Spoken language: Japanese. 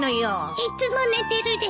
いつも寝てるです。